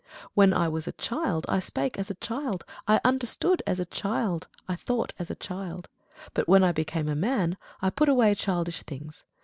When I was a child, I spake as a child, I understood as a child, I thought as a child: but when I became a man, I put away childish things.